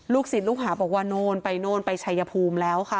ลูกศิษย์ลูกหาบอกว่านอนไปนอนไปชัยภูมิแล้วค่ะ